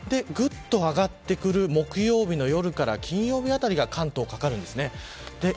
ぐっと上がってくる木曜日の夜から金曜日あたりが関東、かかるんです。